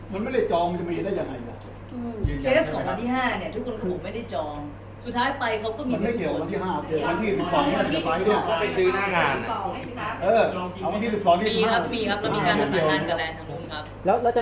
มันพอแล้วนะครับผู้เสียหายก็พอแล้วนะครับ